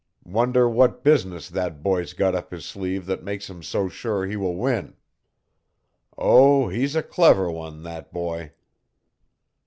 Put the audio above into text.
Wonder what business that boy's got up his sleeve that makes him so sure he will win? Oh, he's a clever one, that boy!"